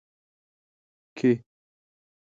کې